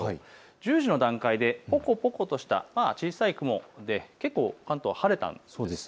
１０時の段階でぽこぽことした小さい雲で結構、関東晴れたんです。